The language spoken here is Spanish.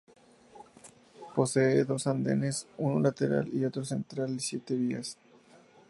Posee dos andenes uno lateral y otro central y siete vías.